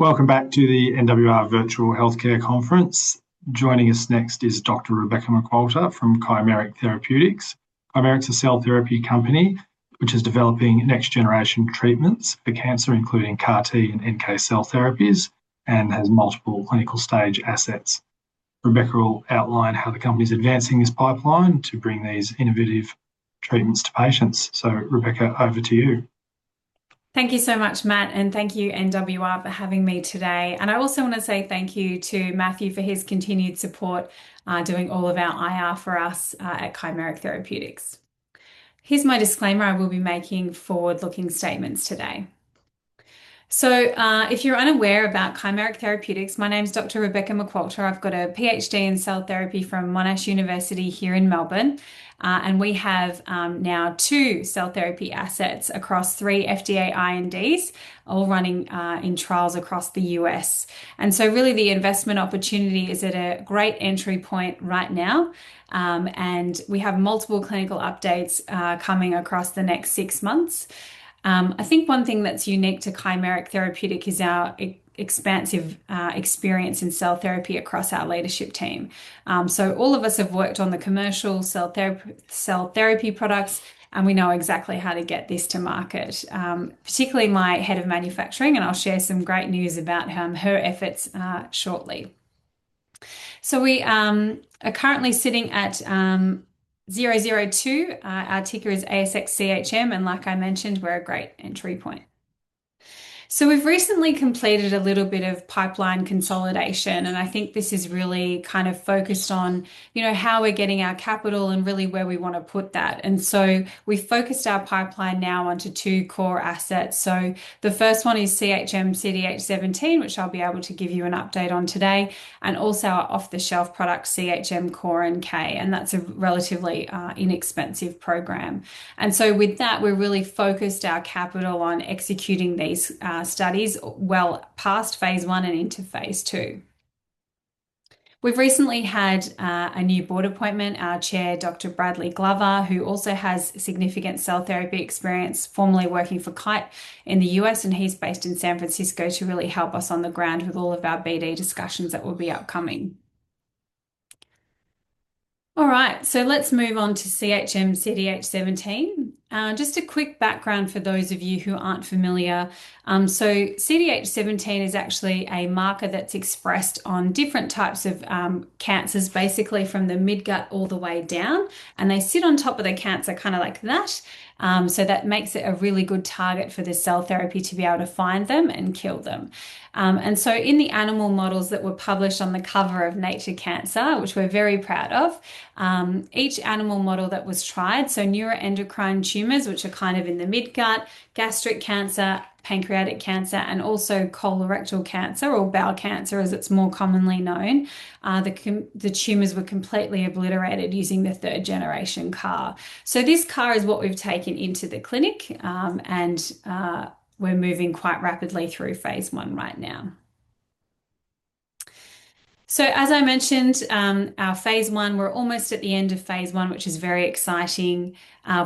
Welcome back to the NWR Virtual Healthcare Conference. Joining us next is Dr. Rebecca McQualter from Chimeric Therapeutics. Chimeric is a cell therapy company which is developing next generation treatments for cancer, including CAR T and NK cell therapies and has multiple clinical stage assets. Rebecca will outline how the company is advancing this pipeline to bring these innovative treatments to patients. Rebecca, over to you. Thank you so much, Matt, and thank you NWR for having me today. I also want to say thank you to Matthew for his continued support, doing all of our IR for us at Chimeric Therapeutics. Here's my disclaimer. I will be making forward-looking statements today. If you're unaware about Chimeric Therapeutics, my name is Dr. Rebecca McQualter. I've got a Ph.D. in cell therapy from Monash University here in Melbourne. We have now two cell therapy assets across three FDA INDs, all running in trials across the U.S. Really the investment opportunity is at a great entry point right now, and we have multiple clinical updates coming across the next six months. I think one thing that's unique to Chimeric Therapeutics is our expansive experience in cell therapy across our leadership team. All of us have worked on the commercial cell therapy products, and we know exactly how to get this to market, particularly my head of manufacturing, and I'll share some great news about her efforts shortly. We are currently sitting at 0.002. Our ticker is ASX CHM, and like I mentioned, we're a great entry point. We've recently completed a little bit of pipeline consolidation, and I think this is really kind of focused on, you know, how we're getting our capital and really where we want to put that. And so we focused our pipeline now onto two core assets. The first one is CHM CDH17, which I'll be able to give you an update on today, and also our off-the-shelf product, CHM CORE-NK, and that's a relatively inexpensive program. With that, we really focused our capital on executing these studies well past phase I and into phase II. We've recently had a new board appointment, our Chair, Dr. Bradley Glover, who also has significant cell therapy experience, formerly working for Kite in the U.S., and he's based in San Francisco, to really help us on the ground with all of our BD discussions that will be upcoming. All right, let's move on to CHM CDH17. Just a quick background for those of you who aren't familiar. CDH17 is actually a marker that's expressed on different types of cancers, basically from the mid-gut all the way down, and they sit on top of the cancer kinda like that. That makes it a really good target for the cell therapy to be able to find them and kill them. In the animal models that were published on the cover of Nature Cancer, which we're very proud of, each animal model that was tried, so neuroendocrine tumors, which are kind of in the mid-gut, gastric cancer, pancreatic cancer, and also colorectal cancer or bowel cancer, as it's more commonly known, the tumors were completely obliterated using the third-generation CAR. This CAR is what we've taken into the clinic, and we're moving quite rapidly through phase I right now. As I mentioned, our phase I, we're almost at the end of phase I, which is very exciting.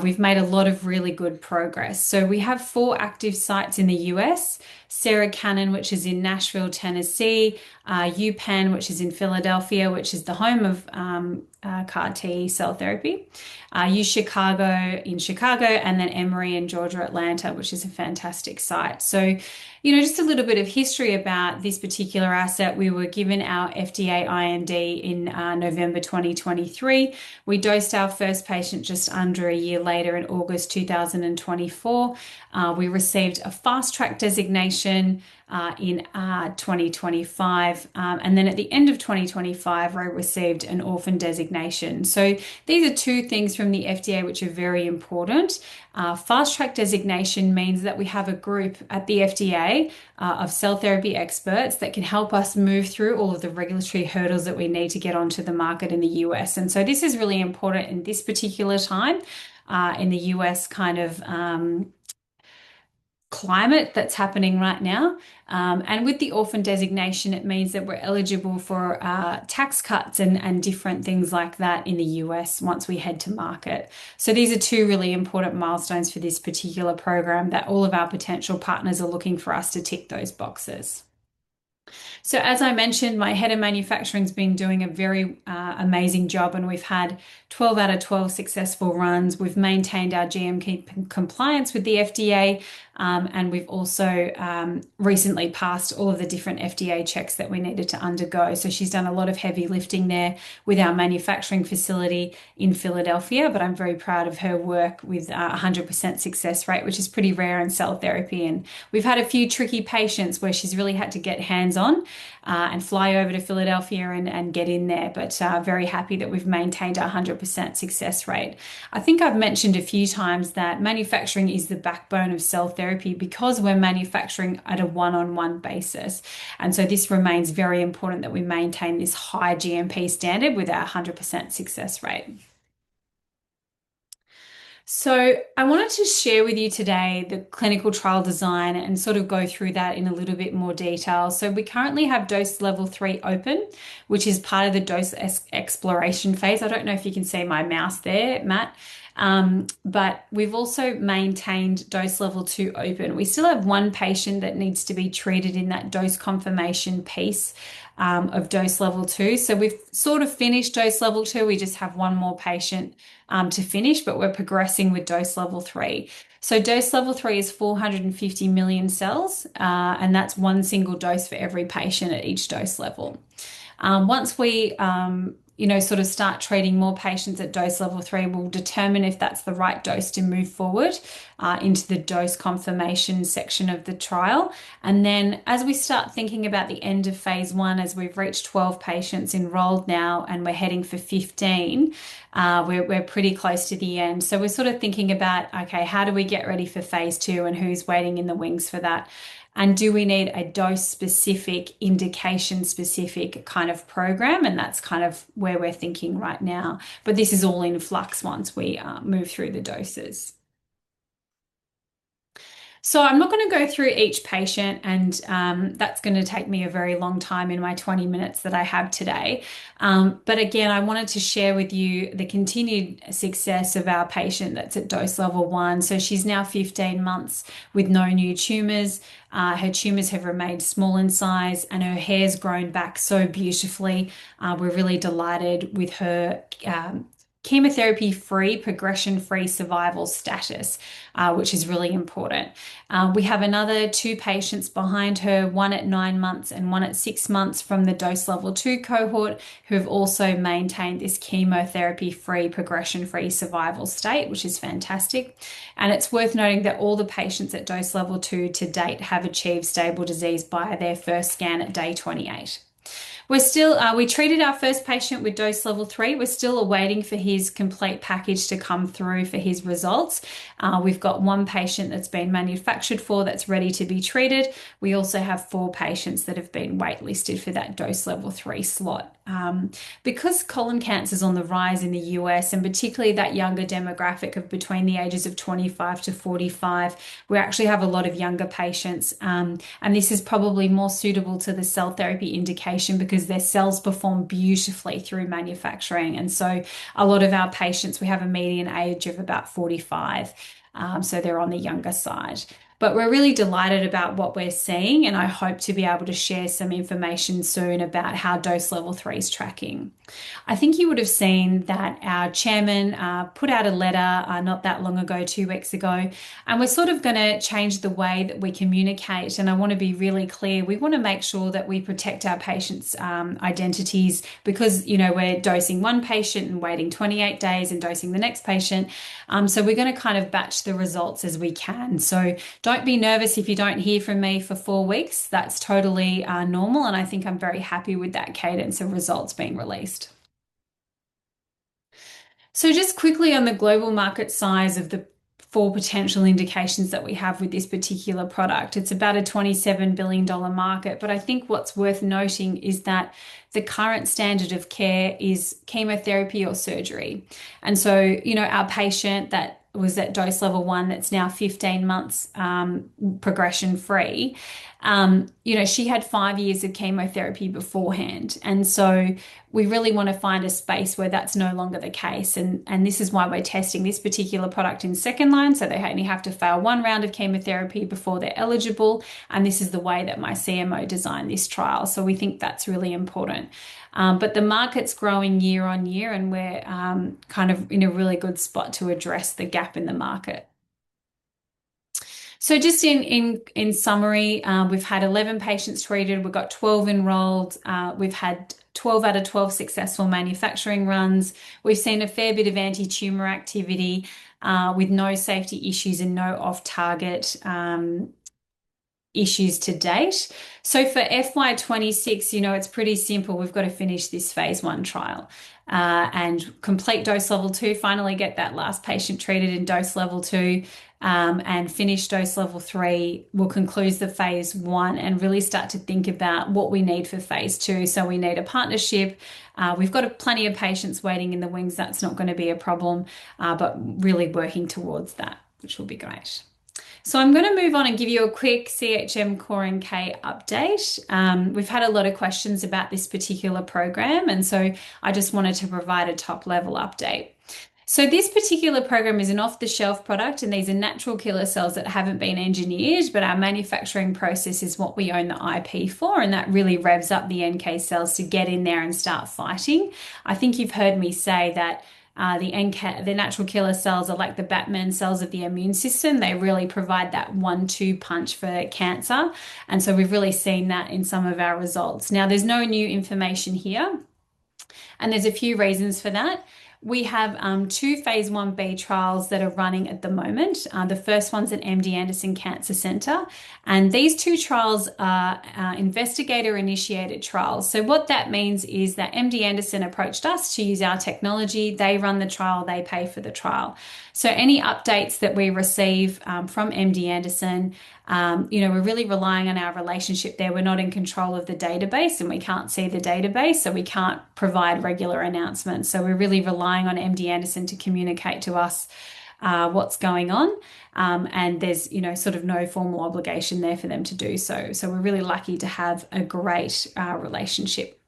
We've made a lot of really good progress. We have four active sites in the U.S., Sarah Cannon, which is in Nashville, Tennessee, UPenn, which is in Philadelphia, which is the home of CAR T cell therapy, UChicago in Chicago, and then Emory in Georgia, Atlanta, which is a fantastic site. You know, just a little bit of history about this particular asset. We were given our FDA IND in November 2023. We dosed our first patient just under a year later in August 2024. We received a Fast Track Designation in 2025, and then at the end of 2025, we received an Orphan Drug Designation. These are two things from the FDA which are very important. Fast Track Designation means that we have a group at the FDA, of cell therapy experts that can help us move through all of the regulatory hurdles that we need to get onto the market in the U.S. This is really important in this particular time, in the U.S. kind of, climate that's happening right now. With the orphan designation, it means that we're eligible for, tax cuts and different things like that in the U.S. once we head to market. These are two really important milestones for this particular program that all of our potential partners are looking for us to tick those boxes. As I mentioned, my head of manufacturing's been doing a very, amazing job, and we've had 12 out of 12 successful runs. We've maintained our GMP compliance with the FDA, and we've also recently passed all of the different FDA checks that we needed to undergo. She's done a lot of heavy lifting there with our manufacturing facility in Philadelphia, but I'm very proud of her work with a 100% success rate, which is pretty rare in cell therapy. We've had a few tricky patients where she's really had to get hands-on, and fly over to Philadelphia and get in there, but very happy that we've maintained our 100% success rate. I think I've mentioned a few times that manufacturing is the backbone of cell therapy because we're manufacturing at a one-on-one basis, and so this remains very important that we maintain this high GMP standard with our 100% success rate. I wanted to share with you today the clinical trial design and sort of go through that in a little bit more detail. We currently have Dose Level 3 open, which is part of the dose escalation exploration phase. I don't know if you can see my mouse there, Matt. But we've also maintained Dose Level 2 open. We still have one patient that needs to be treated in that dose confirmation piece, of Dose Level 2. We've sort of finished Dose Level 2. We just have one more patient, to finish, but we're progressing with Dose Level 3. Dose Level 3 is 450 million cells, and that's one single dose for every patient at each dose level. Once we, you know, sort of start treating more patients at Dose Level 3, we'll determine if that's the right dose to move forward into the dose confirmation section of the trial. As we start thinking about the end of phase I, as we've reached 12 patients enrolled now and we're heading for 15, we're pretty close to the end. We're sort of thinking about, okay, how do we get ready for phase II, and who's waiting in the wings for that? Do we need a dose-specific, indication-specific kind of program? That's kind of where we're thinking right now. This is all in flux once we move through the doses. I'm not gonna go through each patient, and that's gonna take me a very long time in my 20-minutes that I have today. Again, I wanted to share with you the continued success of our patient that's at dose level one. She's now 15 months with no new tumors. Her tumors have remained small in size, and her hair's grown back so beautifully. We're really delighted with her chemotherapy-free, progression-free survival status, which is really important. We have another two patients behind her, one at nine months and one at six months from the Dose Level 2 cohort, who have also maintained this chemotherapy-free, progression-free survival state, which is fantastic. It's worth noting that all the patients at Dose Level 2 to date have achieved stable disease by their first scan at day 28. We treated our first patient with Dose Level 3. We're still awaiting for his complete package to come through for his results. We've got one patient that's been manufactured for that's ready to be treated. We also have four patients that have been wait-listed for that Dose Level 3 slot. Because colon cancer's on the rise in the U.S., and particularly that younger demographic of between the ages of 25 to 45, we actually have a lot of younger patients. This is probably more suitable to the cell therapy indication because their cells perform beautifully through manufacturing. A lot of our patients, we have a median age of about 45, so they're on the younger side. We're really delighted about what we're seeing, and I hope to be able to share some information soon about how Dose Level 3 is tracking. I think you would have seen that our Chairman put out a letter not that long ago, two weeks ago, and we're sort of gonna change the way that we communicate. I wanna be really clear. We wanna make sure that we protect our patients' identities because, you know, we're dosing one patient and waiting 28 days and dosing the next patient. We're gonna kind of batch the results as we can. Don't be nervous if you don't hear from me for four weeks. That's totally normal, and I think I'm very happy with that cadence of results being released. Just quickly on the global market size of the four potential indications that we have with this particular product. It's about a $27 billion market, but I think what's worth noting is that the current standard of care is chemotherapy or surgery. You know, our patient that was at Dose Level 1 that's now 15 months progression-free, you know, she had five years of chemotherapy beforehand. We really wanna find a space where that's no longer the case, and this is why we're testing this particular product in second line, so they only have to fail one round of chemotherapy before they're eligible, and this is the way that my CMO designed this trial. We think that's really important. The market's growing year on year, and we're kind of in a really good spot to address the gap in the market. Just in summary, we've had 11 patients treated. We've got 12 enrolled. We've had 12 out of 12 successful manufacturing runs. We've seen a fair bit of anti-tumor activity, with no safety issues and no off-target issues to date. For FY 2026, you know, it's pretty simple. We've got to finish this phase I trial, and complete Dose Level 2, finally get that last patient treated in Dose Level 2, and finish Dose Level 3. We'll conclude the phase I and really start to think about what we need for phase II. We need a partnership. We've got plenty of patients waiting in the wings. That's not gonna be a problem, but really working towards that, which will be great. I'm gonna move on and give you a quick CHM CORE-NK update. We've had a lot of questions about this particular program, and so I just wanted to provide a top-level update. This particular program is an off-the-shelf product, and these are natural killer cells that haven't been engineered, but our manufacturing process is what we own the IP for, and that really revs up the NK cells to get in there and start fighting. I think you've heard me say that, the natural killer cells are like the Batman cells of the immune system. They really provide that one-two punch for cancer, and so we've really seen that in some of our results. Now, there's no new information here, and there's a few reasons for that. We have two phase I-B trials that are running at the moment. The first one's at MD Anderson Cancer Center, and these two trials are investigator-initiated trials. What that means is that MD Anderson approached us to use our technology. They run the trial. They pay for the trial. Any updates that we receive from MD Anderson, you know, we're really relying on our relationship there. We're not in control of the database, and we can't see the database, so we can't provide regular announcements. We're really relying on MD Anderson to communicate to us what's going on. There's, you know, sort of no formal obligation there for them to do so. We're really lucky to have a great relationship.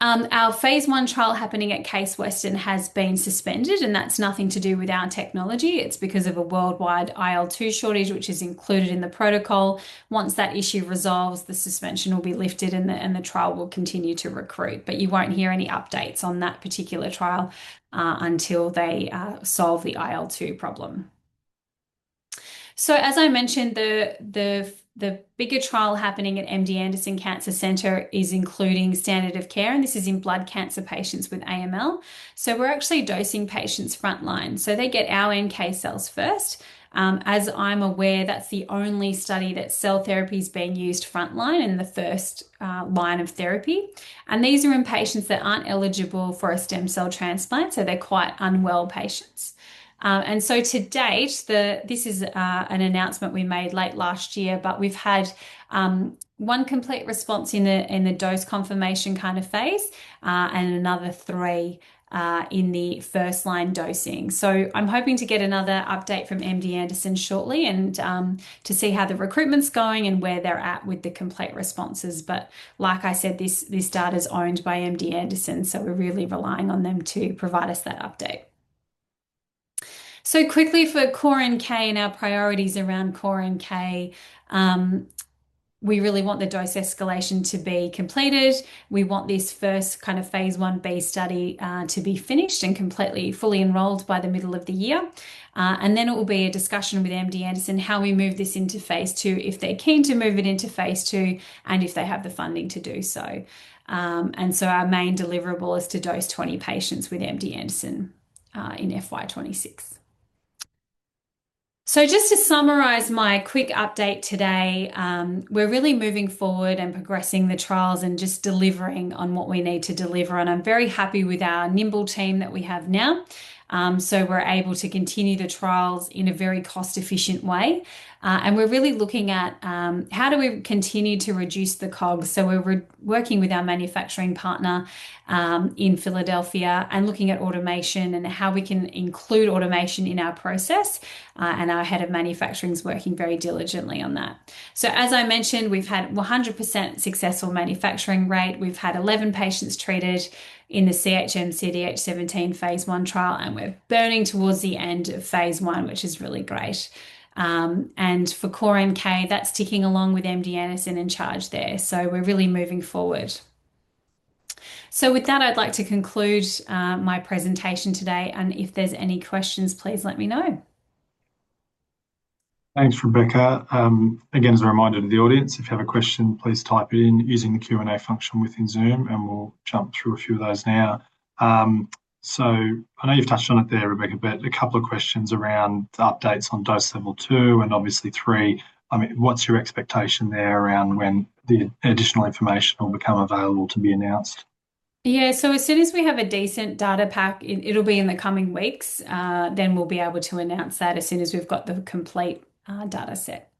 Our phase I trial happening at Case Western has been suspended, and that's nothing to do with our technology. It's because of a worldwide IL-2 shortage, which is included in the protocol. Once that issue resolves, the suspension will be lifted, and the trial will continue to recruit. You won't hear any updates on that particular trial until they solve the IL-2 problem. As I mentioned, the bigger trial happening at MD Anderson Cancer Center is including standard of care, and this is in blood cancer patients with AML. We're actually dosing patients front line. They get our NK cells first. As I'm aware, that's the only study that cell therapy is being used front line in the first line of therapy. These are in patients that aren't eligible for a stem cell transplant, so they're quite unwell patients. To date, this is an announcement we made late last year, but we've had one complete response in the dose confirmation kind of phase and another three in the first line dosing. I'm hoping to get another update from MD Anderson shortly and to see how the recruitment's going and where they're at with the complete responses. Like I said, this data is owned by MD Anderson, so we're really relying on them to provide us that update. Quickly for CORE-NK and our priorities around CORE-NK, we really want the dose escalation to be completed. We want this first kind of phase I-B study to be finished and completely enrolled by the middle of the year. It will be a discussion with MD Anderson how we move this into phase II, if they're keen to move it into phase II and if they have the funding to do so. Our main deliverable is to dose 20 patients with MD Anderson in FY 2026. Just to summarize my quick update today, we're really moving forward and progressing the trials and just delivering on what we need to deliver, and I'm very happy with our nimble team that we have now. We're able to continue the trials in a very cost-efficient way. We're really looking at how do we continue to reduce the COG. We're working with our manufacturing partner in Philadelphia and looking at automation and how we can include automation in our process, and our head of manufacturing is working very diligently on that. As I mentioned, we've had a 100% successful manufacturing rate. We've had 11 patients treated in the CHM CDH17 phase I trial, and we're barrelling towards the end of phase I, which is really great. For CORE-NK, that's ticking along with MD Anderson in charge there. We're really moving forward. With that, I'd like to conclude my presentation today, and if there's any questions, please let me know. Thanks, Rebecca. Again, as a reminder to the audience, if you have a question, please type it in using the Q&A function within Zoom, and we'll jump through a few of those now. I know you've touched on it there, Rebecca, but a couple of questions around the updates on Dose Level 2 and obviously three. I mean, what's your expectation there around when the additional information will become available to be announced? Yeah. As soon as we have a decent data pack, it'll be in the coming weeks, then we'll be able to announce that as soon as we've got the complete data set.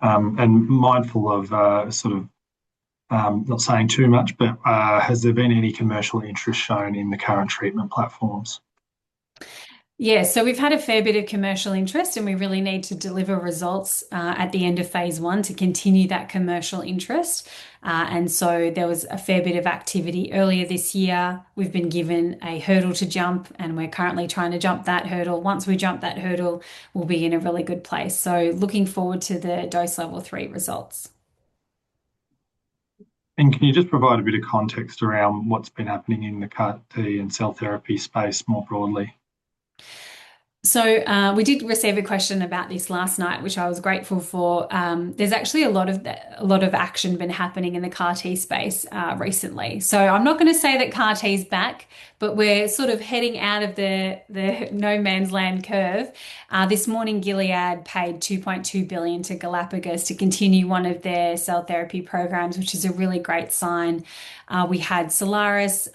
Mindful of sort of not saying too much, but has there been any commercial interest shown in the current treatment platforms? We've had a fair bit of commercial interest, and we really need to deliver results at the end of phase I to continue that commercial interest. There was a fair bit of activity earlier this year. We've been given a hurdle to jump, and we're currently trying to jump that hurdle. Once we jump that hurdle, we'll be in a really good place. Looking forward to the Dose Level 3 results. Can you just provide a bit of context around what's been happening in the CAR T and cell therapy space more broadly? We did receive a question about this last night, which I was grateful for. There's actually a lot of action been happening in the CAR T space recently. I'm not gonna say that CAR T is back, but we're sort of heading out of the no man's land curve. This morning, Gilead paid $2.2 billion to Galapagos to continue one of their cell therapy programs, which is a really great sign. We had Cellares,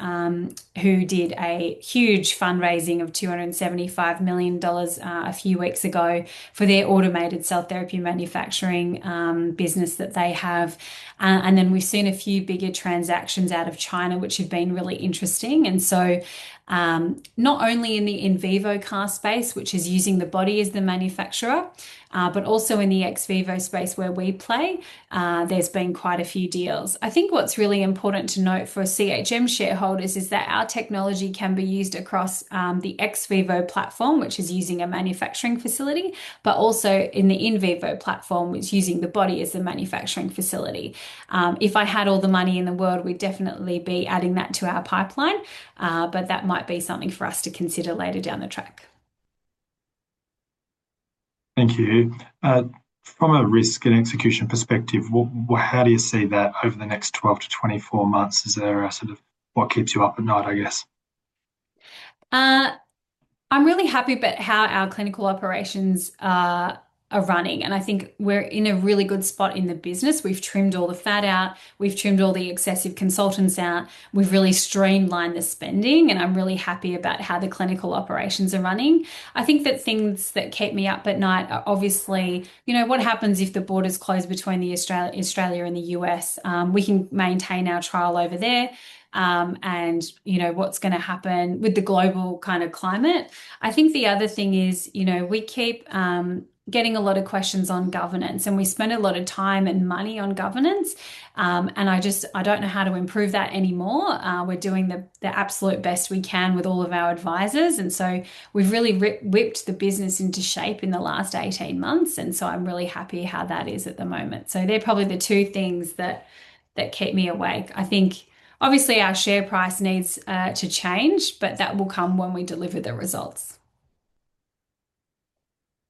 who did a huge fundraising of $275 million a few weeks ago for their automated cell therapy manufacturing business that they have. We've seen a few bigger transactions out of China, which have been really interesting. Not only in the in vivo CAR space, which is using the body as the manufacturer, but also in the ex vivo space where we play, there's been quite a few deals. I think what's really important to note for CHM shareholders is that our technology can be used across the ex vivo platform, which is using a manufacturing facility, but also in the in vivo platform, which is using the body as the manufacturing facility. If I had all the money in the world, we'd definitely be adding that to our pipeline, but that might be something for us to consider later down the track. Thank you. From a risk and execution perspective, how do you see that over the next 12 to 24 months? What keeps you up at night, I guess? I'm really happy about how our clinical operations are running, and I think we're in a really good spot in the business. We've trimmed all the fat out. We've trimmed all the excessive consultants out. We've really streamlined the spending, and I'm really happy about how the clinical operations are running. I think that things that keep me up at night are obviously you know what happens if the borders close between Australia and the U.S.? We can maintain our trial over there. You know what's gonna happen with the global kind of climate? I think the other thing is you know we keep getting a lot of questions on governance, and we spend a lot of time and money on governance. I just don't know how to improve that anymore. We're doing the absolute best we can with all of our advisors, and so we've really whipped the business into shape in the last 18 months, and so I'm really happy how that is at the moment. They're probably the two things that keep me awake. I think obviously our share price needs to change, but that will come when we deliver the results.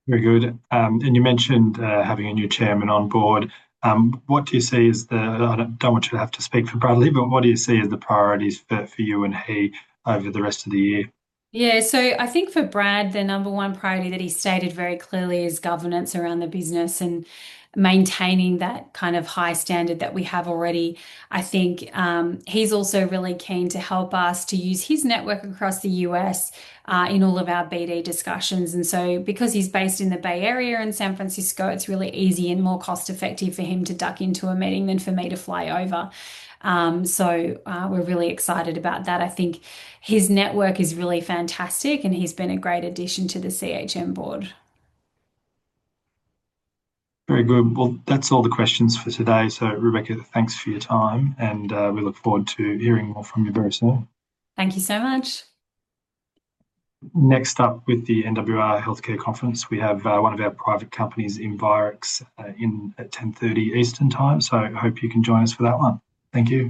Very good. And you mentioned having a new chairman on board. I don't want you to have to speak for Bradley, but what do you see as the priorities for you and he over the rest of the year? Yeah. I think for Brad, the number one priority that he stated very clearly is governance around the business and maintaining that kind of high standard that we have already. I think he's also really keen to help us to use his network across the U.S. in all of our BD discussions. Because he's based in the Bay Area in San Francisco, it's really easy and more cost-effective for him to duck into a meeting than for me to fly over. We're really excited about that. I think his network is really fantastic, and he's been a great addition to the CHM board. Very good. Well, that's all the questions for today. Rebecca, thanks for your time, and we look forward to hearing more from you very soon. Thank you so much. Next up with the NWR Healthcare Conference, we have one of our private companies, [audio inaudible], in at 10:30AM Eastern Time. Hope you can join us for that one. Thank you.